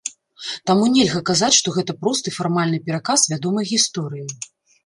Таму нельга казаць, што гэта просты фармальны пераказ вядомай гісторыі.